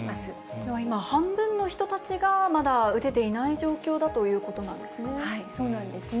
では今、半分の人たちがまだ打てていない状況だということなんですね。